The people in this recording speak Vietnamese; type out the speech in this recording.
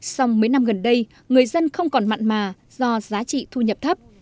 xong mấy năm gần đây người dân không còn mặn mà do giá trị thu nhập thấp